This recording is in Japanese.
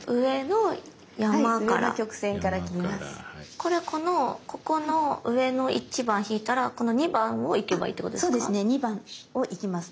これこのここの上の１番引いたらこの２番を行けばいいってことですか？